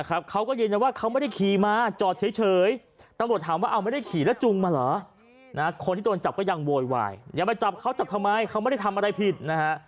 กับรถเขาจับทำไมเฮ้ยไม่ได้ทำอะไรผิดนะฮะ